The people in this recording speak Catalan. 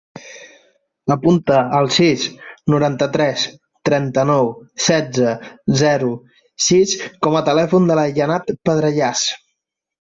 Apunta el sis, noranta-tres, trenta-nou, setze, zero, sis com a telèfon de la Jannat Pedrajas.